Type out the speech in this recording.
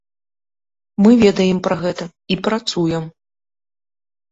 Мы ведаем пра гэта і працуем.